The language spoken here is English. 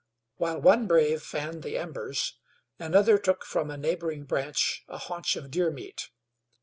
While one brave fanned the embers, another took from a neighboring branch a haunch of deer meat.